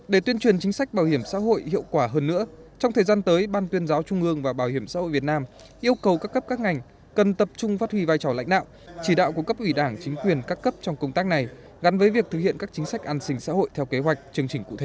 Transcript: để tuyên truyền chính sách bảo hiểm xã hội hiệu quả hơn nữa trong thời gian tới ban tuyên giáo trung ương và bảo hiểm xã hội việt nam yêu cầu các cấp các ngành cần tập trung phát huy vai trò lãnh đạo chỉ đạo của cấp ủy đảng chính quyền các cấp trong công tác này gắn với việc thực hiện các chính sách an sinh xã hội theo kế hoạch chương trình cụ thể